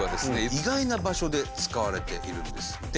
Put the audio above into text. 意外な場所で使われているんですって。